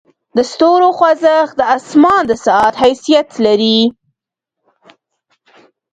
د ستورو خوځښت د اسمان د ساعت حیثیت لري.